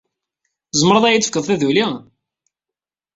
Tzemreḍ ad iyi-d-tefkeḍ- taduli?